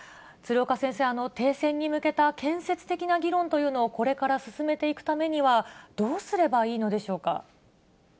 鶴岡先生、停戦に向けた建設的な議論というのをこれから進めていくためには、どうすればいいのでしょうか。